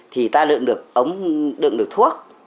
thì ta được được ống được được thuốc